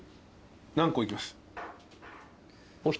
何個いきます？